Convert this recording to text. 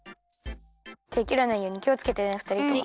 てきらないようにきをつけてねふたりとも。